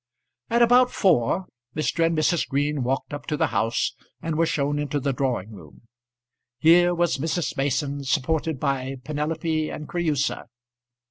At about four Mr. and Mrs. Green walked up to the house and were shown into the drawing room. Here was Mrs. Mason supported by Penelope and Creusa.